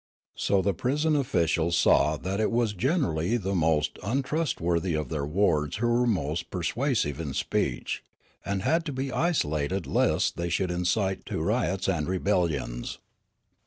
So the prison officials saw that it was generally the most un trustworthy of their wards who were most persuasive in speech, and had to be isolated lest they should incite to riots and rebellions.